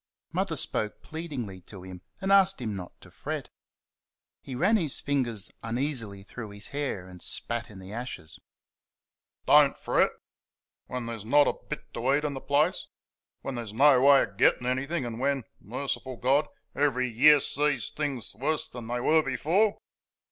Mother spoke pleadingly to him and asked him not to fret. He ran his fingers uneasily through his hair and spat in the ashes. "Don't fret? When there's not a bit to eat in the place when there's no way of getting anything, and when merciful God! every year sees things worse than they were before."